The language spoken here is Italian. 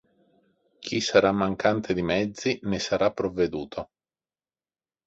Chi sarà mancante di mezzi ne sarà provveduto.